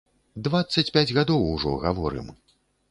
Дваццаць пяць гадоў ужо гаворым!